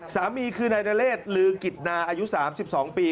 สามีคือนายนเรศลือกิจนาอายุ๓๒ปี